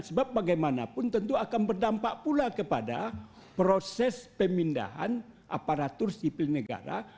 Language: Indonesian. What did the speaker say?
sebab bagaimanapun tentu akan berdampak pula kepada proses pemindahan aparatur sipil negara